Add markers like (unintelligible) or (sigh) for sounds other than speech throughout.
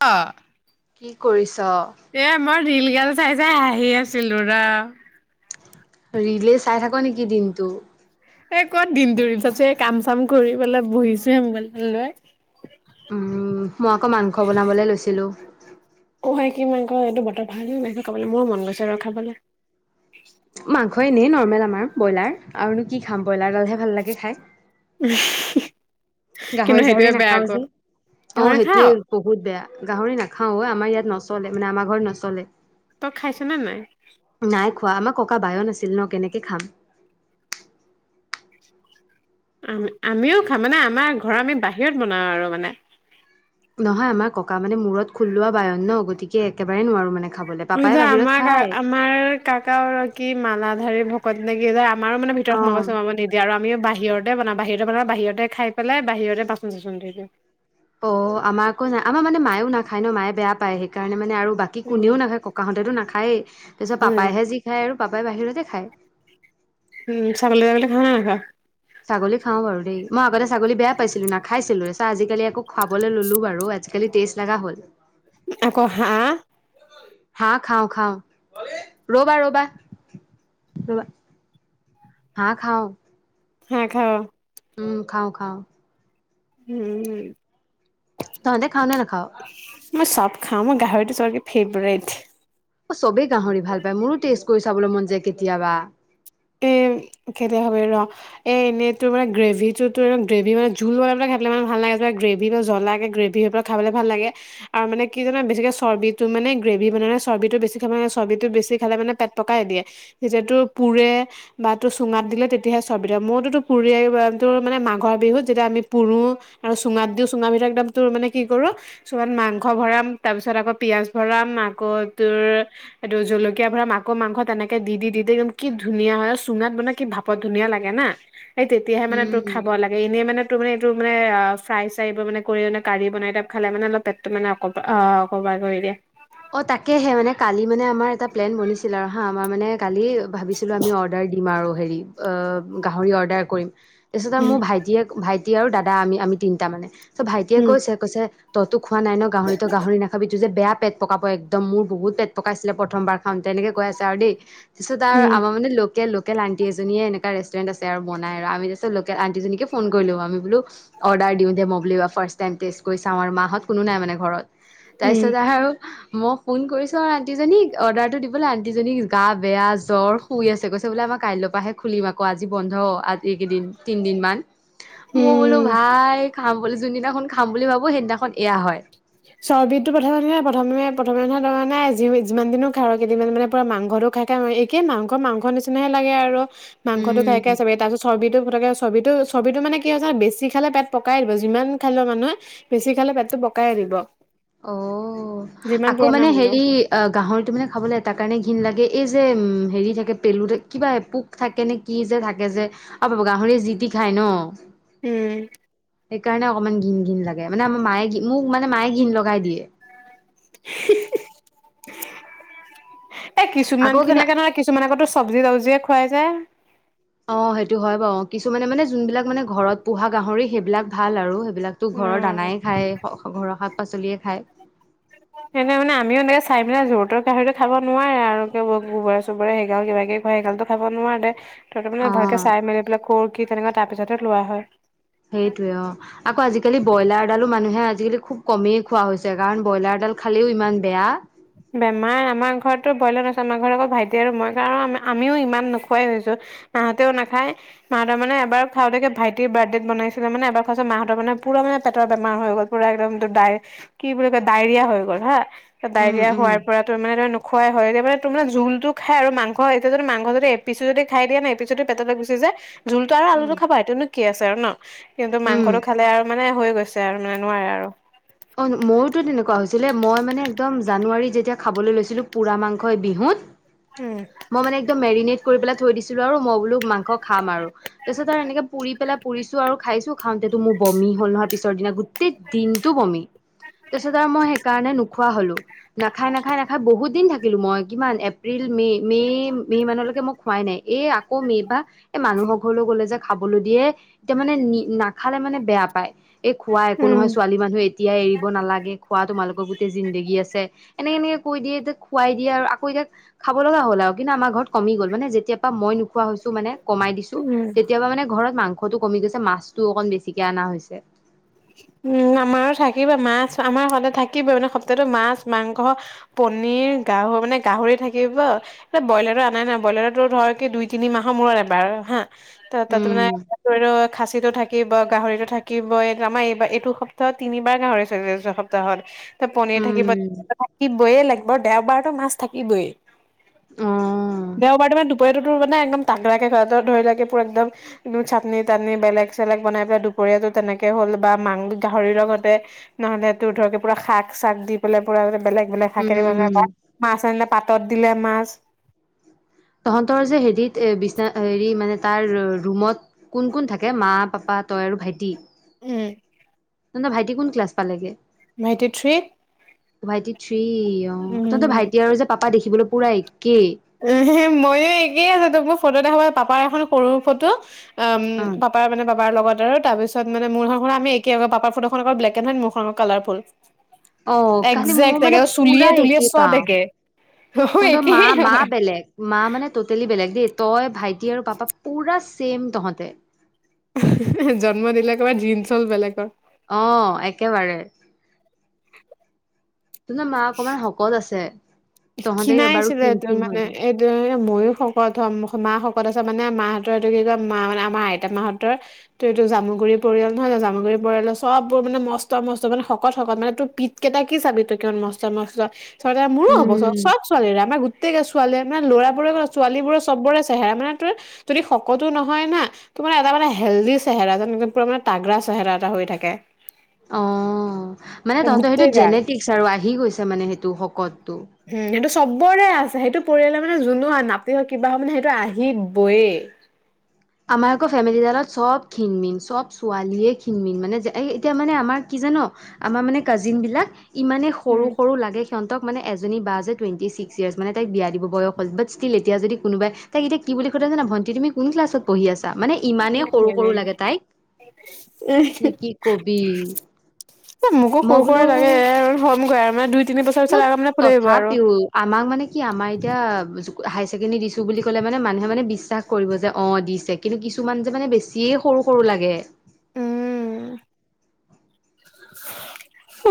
অ,। কি কৰিছ? এয়া মই ৰিল গাল চাই চাই হাঁহি আছিলো ৰ। ৰিলে চাই থাক নেকি দিনটো? এই ক'ত দিনটো ৰিল চাইছোঁ। এই কাম-চাম কৰি পেলাই বহিছোহে মোবাইলটো লৈ। উম, মই আকৌ মাংস বনাবলৈ লৈছিলোঁ। অ', হয়, কি মাংস কয়? এইটো বতৰ ভাল হ'লে খাব লাগিব। মোৰো মন গৈছে ৰ' খাবলৈ। মাংস এনেই নৰ্মেল আমাৰ ব্ৰইলাৰ, আৰুনো কি খাম ব্ৰইলাৰতহে ভাল লাগে খাই। (unintelligible) কিন্তু গাহৰি-চাহৰি সেইটোৱে বেয়া নাখাওঁ আকৌ। যে। তই অ', নাখাৱ? সেইটোয়ে। বহুত বেয়া। গাহৰি নাখাওঁ অ' আমাৰ ইয়াত নচলে, মানে আমাৰ ঘৰত নচলে। তই খাইছ নে নাই? নাই খোৱা। আমাৰ ককা বায়ন আছিল ন, কেনেকে খাম? আ-আমিও খাম, মানে আমাৰ ঘৰ আমি বাহিৰত বনাওঁ আৰু মানে। নহয়, আমাৰ ককা মানে মূৰত খোললোৱা বায়ন ন, গতিকে একেবাৰে নোৱাৰো মানে খাবলৈ। পাপাই যে বাহিৰত আমাৰ খায়। আমাৰ ককাগৰাকী মালাধাৰী ভকত নে কি কয়। আমাৰ মানে ভিতৰত অ', সোমাব-চোমাব নিদিয়ে। এতিয়া আৰু আমি বাহিৰতে বনাওঁ। বাহিৰতে খাই পেলাই বাহিৰতে বাচন-চাচন ধুই দিওঁ। অ', আমাৰ আকৌ নাই, আমাৰ মানে মায়েও নাখায় ন, মায়ে বেয়া পায়। সেইকাৰণে মানে আৰু বাকী বাকী উম, কোনেও নাখায়। ককাহতেতো নাখায়েই, তাৰপিছত, উম। পাপাইহে যি খায় আৰু পাপাই বাহিৰতে খায়। উম, ছাগলী-তাগলি খা নে নাখা? ছাগলী খাওঁ বাৰু দেই। মই আগতে ছাগলী বেয়া পাইছিলোঁ, নাখাইছিলোয়েই চ, আজিকালি আকৌ খাবলৈ ললো বাৰু আজি কালি টেষ্ট লগা হ'ল। আকৌ হাঁহ? হাঁহ খাওঁ, খাওঁ। ৰ'বা ৰ'বা। ৰ'বা, হাঁহ খাওঁ। হাঁহ খাৱ? উম, খাওঁ, খাওঁ। উম। তহঁতে খাৱ নে নেখাৱ? মই চব খাওঁ, মোৰ গাহৰিটো চবতকে ফেভৰেট। অ', চবেই গাহৰি ভাল পায়। মোৰো টেষ্ট কৰি চাবলৈ মন যায় কেতিয়াবা। এ, কেতিয়া খাবি ৰ'হ? এ, এনেই তোৰ মানে গ্ৰেভিটো, তোৰ গ্ৰেভি মানে, জোল বনাই পেলাই খাই পেলাই মানে ভাল নালাগে। এইবিলাক গ্ৰেভি বা জ্বলাকে গ্ৰেভি পুৰা খাবলৈ ভাল লাগে। আৰু মানে কি জানা, বেছিকে চৰ্বিটো মানে, গ্ৰেভি বনালে চৰ্বিটো বেছি খাব নালাগে। চৰ্বিটো বেছি খালে মানে পেট পকাই দিয়ে। যিহেতু পুৰে বা এইতো চুঙাত দিলে তেতিয়াহে চৰ্বিতো খাওঁ। মোৰতোটো পুৰি, এ, ব তোৰ মানে মাঘৰ বিহুত যেতিয়া আমি পুৰো আৰু চুঙাত দিওঁ। চুঙাগিতাৰ ভিতৰত তোৰ মানে কি কৰোঁ, চুঙাত মাংস ভৰাওঁ তাৰপিছত আকৌ পিয়াঁজ ভৰাম, আকৌ তোৰ পি এইটো জলকীয়া ভৰাম, আকৌ মাংস। তেনেকে দি-দি-দি-দি একদম কি ধুনীয়া ধুনীয়া হয়, আৰু চুঙাত বনাই কি ভাপত ধুনীয়া লাগে না, এই তেতিয়াহে মানে তোৰ উম খাব খাব লাগে, এনেই মানে তোৰ মানে এইটো মানে আ, ফ্ৰাই-চ্ৰাই মানে, কাৰি বনাই মানে খালে মানে অলপ পেট ত' মানে অকব অ' কভাৰ কৰি দিয়ে। অ', তাকেহে, মানে কালি মানে আমাৰ এটা প্লেন বনিছিল আৰু হা, আমাৰ মানে কালি ভাবিছিলোঁ আমি অৰ্ডাৰ দিম আৰু, হেৰি, অ, গাহৰি অৰ্ডাৰ কৰিম। কালি তাৰপিছত আৰু উম, মোৰ ভাইটিয়ে, ভাইটি আৰু দাদা আমি-আমি তিনিটা মানে, ত ভাইটিয়ে উম, কৈছে-কৈছে তইটো খোৱা নাই ন' গাহৰিতো, গাহৰি নাখাবি, এইটো যে বেয়া পেট পকাব একদম, মোৰ বহুত পেট পকাইছিলে, প্ৰথমবাৰ খাওঁতে, তেনেকে কৈ আছে আৰু দেই। পিছত আৰু, উম, আমাৰ মানে লোকেল লোকেল আণ্টি এজনীয়ে এনেকুৱা ৰেষ্টুৰেণ্ট আছে আৰু বনাই আৰু মিষ্ট লোকেল আণ্টিজনীক ফোন কৰিলো। আমি বোলো অৰ্ডাৰ দিওঁ দে, মই বুলো এইবাৰ ফ্ৰাষ্ট টাইম টেষ্ট কৰি চাওঁ আৰু মাহত কোনো নাই মানে ঘৰত, তাৰপিছত উম, আৰু মই ফোন কৰিছো আৰু আণ্টিজনীক, অৰ্ডাৰটো দিবলৈ, আণ্টিজনীৰ গা বেয়া জ্বৰ শুই আছে। কৈছে, আমাৰ কাইলৈ পৰাহে খুলিম আকৌ, আজি বন্ধ, আজি এই কেইদিন তিনিদিনমান। মই বোলো উম। ভাই, খাম বুলি, যোনদিনাখন খাম বুলি ভাবো সেইদিনাখন এয়া হয়। (unintelligible) খাই, খাই, একে মাংস- মাংস নিচিনাহে লাগে আৰু, মাংসতো উম। খাই-খাই, চাবে তাৰপিছত চৰ্বিটো পটকে, চৰ্বিটো-চৰ্বিটো মানে কি হৈছে, বেছি খালে পেট পকাই দিব, যিমান খালেই মানুহে বেছি খালে পেটটো পকাই দিব। অহ, যিমান আকৌ পুৰণা মানে হ'লেও হেৰি গাহৰিটো মানে খাবলৈ এটাৰ কাৰণে ঘিণ লাগে, এই যে হেৰি থাকে, পেলু কিবা পোক থাকে নে কি যে থাকে যে। অ, (unintelligible) গাহৰি জি টি খাই ন! উম। সেইকাৰণে অকণমান ঘিন-ঘিন লাগে, মানে আমাৰ মায়ে মোক মানে মায়ে ঘিন লগাই দিয়ে। এ, আকৌ কিছুমান কিন্তু তেনেকােৱা নহয়। কিছুমান আকৌ টোৰ চব্জি-তাবজিয়ে খুৱাই যে। অ, সেইটো হয় বাৰু! কিছুমানে মানে, যোনবিলাক মানে ঘৰত পোহা গাহৰি, সেইবিলাক ভাল আৰু সেইবিলাক তো ঘৰৰ উম দানাই খায়। ঘৰৰ শাক-পাচলিয়ে খায়। সেনে মানে আমিও, এনেকে চাই পেলাই যৰ-তৰ গাহৰি খাব নোৱাৰে আৰু, গোবৰে-চোবৰে সেই কিবা-কিবি হয়, এগাল খাব নোৱাৰাৰে, তাতে অ মানে ভালকে চাই-মেলি পেলাই কৰ কি হয়, তেনেকুৱা তাৰ পিছতে লোৱা হয়। সেইটোৱে, অ। আকৌ আজিকালি ব্ৰইলাৰডালো মানুহে আজিকালি খুব কমেই খোৱা হৈছে, কাৰণ ব্ৰইলাৰডাল খালেও ইমান বেয়া। বেমাৰ, আমাৰ ঘৰতটো ব্ৰইলাৰ নাখাই, আমাৰ ঘৰত আকৌ ভাইটি আৰু মই খাওঁ, আমিও ইমান নোখোৱাই হৈছো। মাহঁতেও নাখায়। মাহতৰ মানে এবাৰ খাওঁতে, ভাইটিৰ বাৰ্থডেত বনাইছিলে মানে, এবাৰ খাওঁতে মাহতৰ মানে পুৰা মানে পেটৰ বেমাৰ হৈ গ'ল। পুৰা একদম ডায় কি বুলি কয়, ডাইেৰিয়া হৈ গ'ল হা। তাৰপিছত উম ডাইেৰিয়া উম খোৱাৰ পৰা তোৰ মানে নোখুৱাই হয়। এতিয়া মানে তোৰ মানে জোলটো খাই আৰু মাংস এতিয়া মাংস যদি এপিছো যদি খাই দিয়া নাই, এপিচ যদি পেটতে গুচি যায়, জোলটো আৰু উম আলুটো খাব পাৰে, সেইটো নো কি আছে আৰু ন! কিন্তু উম। মাংসটো খালে আৰু মানে হৈ গৈছে আৰু, মানে নোৱাৰে আৰু। (inaudible) অঁ, মইওটো তেনেকুৱা হৈছিলে। মই মানে একদম জানুৱাৰীত যেতিয়া খাবলৈ লৈছিলোঁ, পুৰা মাংসই বিহুত। (inaudible) উম। মই মানে একদম মেৰিনেট কৰি পেলাই থৈ দিছিলো আৰু মই বোলো মাংস খাম আৰু। তাৰ পিছত আৰু এনেকে পুৰি পেলাই পুৰিছো আৰু খাইছো খাওঁতেতো মোৰ বমি হ'ল নহয়, পিছৰ দিনা গোটেই দিনটো বমি। তাৰপিছত আৰু মই সেইকাৰণে নোখোৱা হ'লো, নাখায়-নাখায়-নাখায় বহুত দিন থাকি লো মই কিমান এপ্ৰিল, মে', মে', মে' মানলৈকে মই খোৱাই নাই, এই আকৌ মে'ৰ পৰা এ, মানুহৰ ঘৰলৈ গ'লে যে খাবলৈ দিয়ে, এতিয়া মানে নি নাখালে মানে বেয়া পায়, এই খোৱা একো উম নহয় ছোৱালী মানুহে এতিয়াই এৰিব নালাগে, খোৱাটো তোমালোকৰ গোটেই জিন্দেগী আছে। এনেকে-এনেকে কৈ দিয়ে যে, খুৱাই দিয়ে আৰু আকৌ এতিয়া খাব লগা হ'ল আৰু, কিন্তু আমাৰ ঘৰত কমি গ'ল, মানে যেতিয় পৰা মই নোখোৱা হৈছো মানে কমাই দিছো, উম। তেতিয়াৰ পৰা মানে ঘৰত মাংসটো কমি গৈছে, মাছটো অকণমান বেছিকে অনা হৈছে। উম, আমাৰো থাকিবই মাছ আমাৰ সদায় থাকিব মানে সপ্তাহটোত মাছ মাংস পনিৰ, গাহ মানে গাহৰি থাকিব। এ ব্ৰইলাৰটো আনাই নহয় ব্ৰইলাৰটো তোৰ ধৰ দুই তিনি মাহৰ মূৰত এবাৰ হা। ত' তাত মানে উম খাচীটো থাকিব, গাহৰিটো থাকিব, এই আমাৰ এইবাৰ এইটো সপ্তা হত তিনিবাৰ গাহৰি (unintelligible) এইটো সপ্তাহত। ত' পনিৰ থাকিব, উম থাকিবই লাগিব দেওবাৰতো মাছ থাকিবই। অ দেওবাৰটো মানে দুপৰীয়টো তোৰ মানে একদম তাগৰা কে কৰে তোৰ ধৰি ল' একে পুৰা একদম চাটনি-তাটনি বেলেগ-চেলেগ বনাই পেলাই দুপৰীয়াটো তেনেকে হ'ল বা মাং গাহৰিৰ লগতে নহ'লে তোৰ ধৰক পুৰা শাক-চাক দি বেলেগ পুৰা বেলেগ বেলেগ শাকেৰে (unintelligible) উম মাছ আনিলে পাতত দিলে মাছ। তহঁতৰ যে হেৰিত এ বিছনা হেৰি মানে তাৰ ৰুমত কোন কোন থাকে মা-পাপা, তই আৰু ভাইটি? উম। তহঁতৰ ভাইটি কোন ক্লাছ পালেগে? ভাইটি থ্ৰী। ভাইটি থ্ৰী, অ', তহঁতৰ উম ভাইটি আৰু যে পাপা দেখিবলৈ পুৰা একেই। উ, মইও একেই আছোঁ তোক মই ফটো দেখাব পাপাৰ এখন সৰু ফটো। উম, অ পাপাৰ মানে পাপাৰ লগত আৰু তাৰপিছ মানে (unintelligible) আমি একে পাপাৰ ফটোখন আকৌ ব্লেক এণ্ড হোৱাইত মোৰখন কালাৰফুল। অ কালি মোৰ একজেক্ট মানে পুৰা চুলিয়ে-তুলিয়ে একেই চব পাওঁ একে, অ', তহঁতৰ মা একেই মা হয়। বেলেগ মা মানে ট'টেলি বেলেগ দেই তই, ভাইটি আৰু পাপা পুৰা ছেম তহঁতে। জন্ম দিলে ক'বাৰ জিন্ছ হ'ল বেলেগৰ। অ', একেবাৰে। তহঁতৰ মা অকণমান শকত আছে। তহঁতে বাৰু খিনাইছিলে ক্ষীণ এইটো ক্ষীণ মানে হলি সেইটোয়ে মইও শকত হ'ম, মা শকত আছে মানে মাহঁতৰ এইটো কি কয় মানে আমাৰ মা আইতা মাহঁতৰ আমাৰ তই এইটো জামুগুৰি পৰিয়াল নহয় জানো, জামুগুৰি পৰিয়ালৰ চববোৰ মানে মস্ত মস্ত মানে শকত শকত মানে তোৰ পি ত কেইটা কি চাবি তই কিমান মস্ত মস্ত মোৰো হ'ব (unintelligible) উম ছোৱালীৰে আমাৰ গোটেই ছোৱালী মানে ল'ৰাবোৰে ছোৱালীৰে চব বৰে চেহেৰা মানে তোৰ যদি শকতো নহয় না তোৰ মানে এটা মানে হেল্ডি চেহেৰা যেন একদম পুৰা মানে তাগৰা চেহেৰা এটা হৈ থাকে। অ', মানে তহতৰ সেইটো গোটেই গাল। জেনেটিক্স আৰু আহি গৈছে মানে সেইটো শকতটো। উম, সেইটো চবৰে আছে সেইটো পৰিয়ালে মানে যোনো নাতি হওক কিবা হওক মানে সেইটো আহিবয়েই। আমাৰ আকৌ ফেমিলিডালত চব খিণমিন চব ছোৱালীয়ে খিণমিন মানে এই এতিয়া মানে আমাৰ কি জান আমাৰ মানে কাজিন বিলাক ইমানে উম, সৰু সৰু লাগে। সিহঁতক মানে এজনী বা আছে টুৱেণ্টি ছিক্ ইয়াৰছ মানে তাইক বিয়া দিব বয়স হ'ল বাট ষ্টিল এতিয়া যদি কোনোবাই তাইক এতিয়া কি বুলি সুধে জান ভণ্টি তুমি কোন ক্লাছত পঢ়ি আছা? মানে ইমানেই সৰু- সৰু লাগে তাইক নে কি কবি? এ মোকো মই সৰু সৰু বোলো লাগে হ'ম গৈ আৰু মানে দুই তিনি বছৰ ন পিছত আগ মানে (unintelligible) আহিব আৰু? তথাপিও আমাক মানে কি আমাৰ এতিয়া হায়াৰ ছেকেণ্ডেৰী দিছো বুলি ক'লে মানে মানুহে মানে বিশ্বাস কৰিব যে অ', দিছে। কিন্তু কিছুমান যে মানে বেছিয়ে সৰু সৰু লাগে।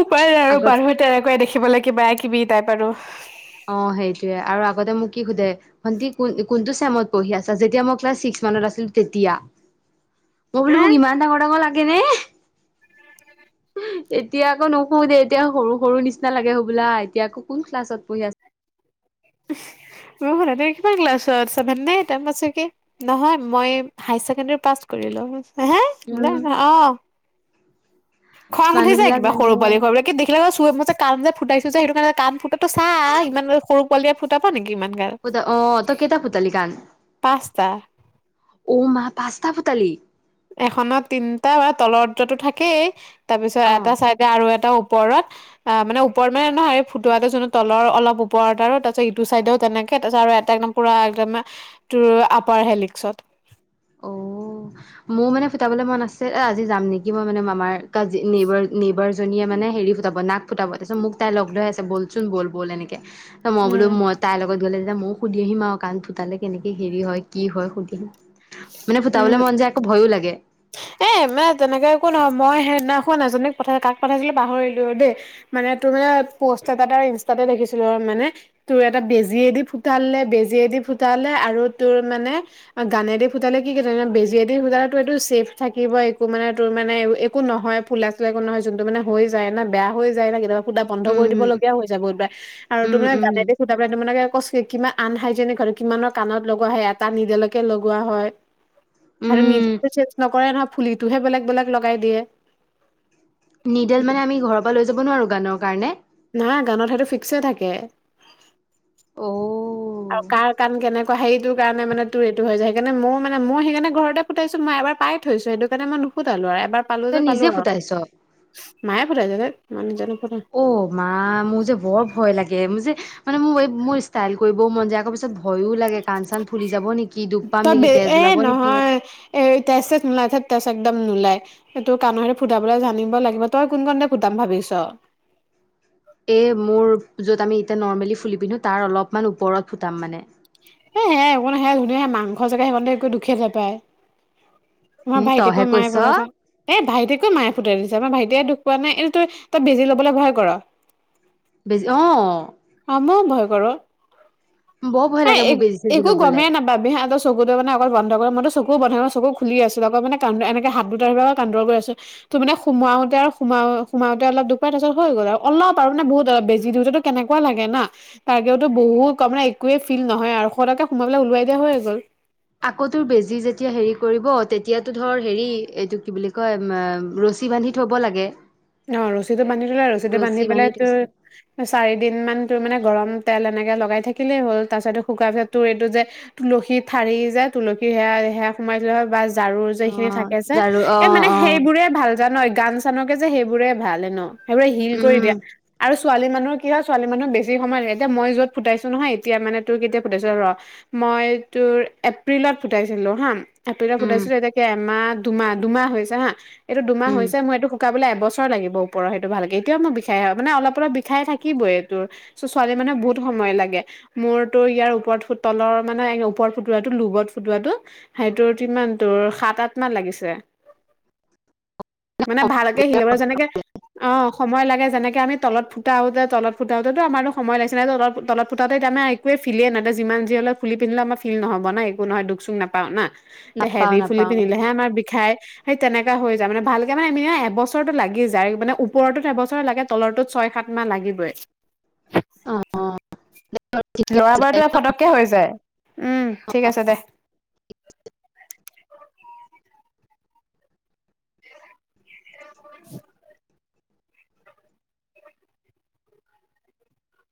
উপায় নাই আৰু আগত মানুহ তেনেকুৱাই দেখিবলৈ কিবা কিবি তাইপ আৰু। অ', সেইটোয়ে আৰু আগতে মোক কি সোধে? ভন্টি কোনত ছেমত পঢ়ি আছা? যেতিয়া মই ক্লাছ ছিক্স মানত আছিলো তেতিয়া। মই বোলো মোক ইমান ডাঙৰ ডাঙৰ লাগে নে? এতিয়া আকৌ নুশুদে এতিয়া সৰু-সৰু নিচিনা লাগে হ'বলা এতিয়া কোনটো ক্লাচ পঢ়ি আছা। মোহ'ল (inaudible) কোন ক্লাচত আছা চেভেন নে এটা (unintelligible) নহয় মই হাই ছেকেণ্ডাৰী পাছ কৰিলো। হেঁ-হে, উম অঁ',। খং উঠি মানুহ যায় বিলাক কিবা মানে সৰু পোৱালি দেখি থাকে। (unintelligible) যে কাণ যে ফুটাইো যে সেইটো কাৰণে কাণ ফুটাটো চাই ইমান সৰু পোৱালিয়ে ফুটাব পাৰে নেকি ইমান গাল। অঁ', তই কেইটা ফুতালি কাণ? পাঁচটা অ' মা পাঁচটা ফুতালি। এখনত তিনটা বা তলত টো থাকেই তাৰপিছত অ এটা আৰু এটা ওপৰত- আঁহ', মানে ওপৰত মানে নহয়, এই ফুটোৱা এটা যোনটো তলৰ অলপ ওপৰত আৰু তাৰপিছত ইটো চাইডেও তেনেকে তাৰপাছত আৰু এটা একদম - পুৰা একদম মানে তোৰ আপাৰ হে লিপচত। অ', মোৰ মানে ফুটাবলৈ মন আছে, এ' আজি যাম নেকি মই মানে মামাৰ ঘৰত। কাজ নেবাৰ-নেবাৰজনীয়ে মানে হেৰি নাক ফুতাব। ফুটাবতে মোক তাই লগ ধৰি আছে বলচোন বল-বল এনেকে ত' মই বোল উম মই তাই লগত গ'লে- এতিয়া ময়ও সুধি আহিম আৰু কাণ ফুটালে কেনেকে হেৰি হয় কি হয় সুধিম। মানে উম ফুতাবলে মন যায় ভয়ও লাগে। এ' মানে তেনেকে একো নহয় মই সেইদিনা এাজনীক পঠাই চিলো কাক পঠাইছিলো পাহৰিলো দেই। মানে তোৰ মানে পষ্ট এটাত ইনষ্টাতে দেখিছিলো মানে। তোৰ এটা বেজিয়ে দি ফুটালে, বেজীয়ে দি ফুটালে আৰু তোৰ মানে- গানেদি ফুটালে, কি বেজিয়ে দি ফুটালে টো এইটো চেফ- থাকিবই, একো মানে তোৰ মানে একো নহয় ফুলা-চুলা একো নহয় যোনটো মানে হৈ যায় না, বেয়া হৈ যায় না কেতিয়াবা। ফুটা বন্ধ কৰি দিব উম লগিয়া হৈ যাব বহুতবাৰ। আৰু উম তুমি উম গানেদি সুধা পেলাই তোমে ক কিমান আনহাইজেনিক কিমানৰ কাণত লগোৱা হয় নিদেলকে লগোৱা হয়। আৰু- উম চেজ নকৰে নহয় ফুলিটোহে বেলেগ বেলেগ লগাই দিয়ে। নিডেল মানে আমি ঘৰৰ পৰা লৈ যাব নোৱাৰো গানৰ কাৰণে। নাই গানত সেইটো ফিক্স হৈ থাকে। অ'। আৰু কাৰ কাণ কেনেকুৱা সেইটো কাৰণে মানে তোৰ এইটো হৈ যায়, সেইকাৰণে মোৰ মানে মোৰ সেইকাৰণে ঘৰতে - সেইটো পাই থৈছো সেইটো কাৰণে মই নোফোটালো। আৰু পালো তই যে, নিজে পালো আৰু, ফুটাইছ মায়ে ফুতাইছে মই নিজে নুফুতাও। অ' মা মোৰ যে বৰ ভয় লাগে। মানে মোৰ ষ্টাইল কৰিবও মন যায আকৌ পিছত ভয়ো লাগে। কাণ-চাণ ফুলি যাব নেকি, তেজ ওলাব নেকি, দুখ পাম নেকি, তেজ ওলাব নেকি। এই তেজ-চেজ নোলাই একদম নোলাই। এইটোৰ কাণৰহে ফুটাবলৈ জানিব লাগিব। তই কোন-কোনখন কাণত ফুটাম বুলি ভাবিছ? এই মোৰ য'ত আমি এতিয়া নৰ্মেলি ফুলি পিন্ধো তাৰ অলপমান ওপৰত ফুটাম মানে। সেইশসেয়া একো সেয়া ধুনীয়াে মাংস জেগা সিমান একো দুখেয়েই নেপায়। আমাৰ এ তইহে ভাইটিকো মায়ে কৈছ ফুটাইছে। এ' ভাইটিকেো মায়ে ফুটাই দিছে, আমাৰ ভাইটিয়ে দুখ পোৱা নাই। এইটো তই-তই বেজি ল'বলৈ ভয় ক'ৰ? অঁ'। অঁ' মইও বহুত ভয় কৰোঁ। বৰ ভয় লাগে মোৰ বেজি-চেজি ল'বলে। বাবেহে চকুটো মানে অকল বন্ধ কৰে মইতো চকু বন্ধ, চকু খুলি আছিলো আক' মানে এনেকে হাত দুটাৰ পৰা আ কান্দৰ কৰি আছে। তো মানে সোমাওঁতে আৰু সোমাওঁতে অলপ দুুখ পাই তাৰপিছত হৈ গ'ল। অলপ আৰু মানে বহুত বেজি দিওঁতো- কেনেকুৱা লাগে না' তাৰগেওতো বহুত ক' মানে একোৱে- ফিল নহয় আৰু ফটককে সোমোৱাই ওলাই দিয়া হৈ গ'ল। আকৌ তোৰ বেজি যেতিয়া হেৰি কৰিব তেতিয়াতো ধৰ এইটো কি বুলি কয়‌‌ চি বান্ধি থ'ব লাগে অ ৰছীটো বান্ধি থলে ৰছীটো ৰছী বান্ধি পেলে তো থৈছে চাৰি দিন মান তোৰ মানে গৰম তেল এনেকে লগাই থাকিলেই হ'ল তাৰপিছতো শুকাৰ পিছত তোৰ এইটো যে তুলসী ঠাৰি যে তুলসী সেয়া সেয়া সোমাই থলে হয় বা ঝাৰুৰ যে সেখিনি অ' থাকে যে জাৰু এ অ' মানে অ' সেইবোৰে ভাল জান গান চানকে যে সেইবোৰে ভাল এনেও সেইবোৰে হিল কৰি উম দিয়া আৰু ছোৱালী মানুহৰ কি হয় ছোৱালী মানুহ বেছি সময় লাগে এতিয়াই যত ফুটাইছো নহয় এতিয়া মানে তোৰ কেতিয়া ফুটাইছো ৰ মই তোৰ এপ্ৰিলত ফুটাইছিলো হা এপ্ৰিলত উম ফুটাইছিলো এতিয়া কে এমাহ দুমাহ দুমাহ হৈছে হা এইটো দুমাহ উম হৈছে মই এইটো শুকাবলে এবছৰ লাগিব ওপৰ সেইটো ভালকে এতিয়া মোৰ বিষাই মানে অলপ অলপ বিষাই থাকিবই এইটো চ' ছোৱালী মানে বহুত সময় লাগে মোৰ তোৰ ইয়াৰ ওপৰত ফুট তলৰ মানে ওপৰত ফুটোৱাটো লোবত ফুটোৱাটো সেইটোৰ কিমান তোৰ সাত আঠ মান লাগিছে (unintelligible) মানে ভালকে সিলাবা যেনেকে অ সময় লাগে যেনেকে আমি তলত ফুটাওতে তলত ফুটাওতেটো আমাৰো সময় লাগিছে নাই তল তলত ফুটাতে এতা আমি একোৱে ফিলে না তই যিমান যি হলেও ফুলি পিন্ধিলে আমাৰ ফিল নহব না একো নহয় দুখ চুখ নাপাওঁ না তে নাপাওঁ হেভভি ফুলি নাপাওঁ পিন্ধিলেহে আমাৰ বিষাই সেই তেনেকা হৈ যায় মানে ভালকে মানে আমি ন এবছ ছৰটো লাগি যায় মানে ওপৰতো এবছৰ লাগে তলৰটোত ছয় সাত মাহ লাগিবই অ লৰা বোৰৰটো ফটককে হৈ যায় উম ঠিক আছে দে (unintelligible)